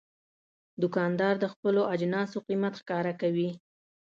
دوکاندار د خپلو اجناسو قیمت ښکاره کوي.